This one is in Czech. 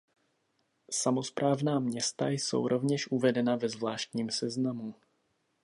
Samosprávná města jsou rovněž uvedena ve zvláštním seznamu.